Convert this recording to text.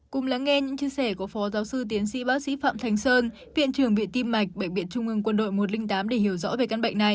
cùng lắng nghe những chia sẻ của phó giáo sư tiến sĩ bác sĩ phạm thành sơn viện trưởng viện tim mạch bệnh viện trung ương quân đội một trăm linh tám để hiểu rõ về căn bệnh này